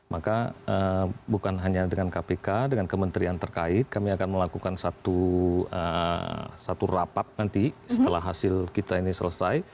maka bukan hanya dengan kpk dengan kementerian terkait kami akan melakukan satu rapat nanti setelah hasil kita ini selesai